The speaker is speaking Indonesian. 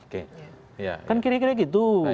kan kira kira gitu